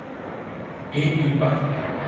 En Impact!